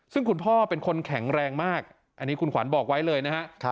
ซึ่งคุณพ่อเป็นคนแข็งแรงมากอันนี้คุณขวัญบอกไว้เลยนะฮะ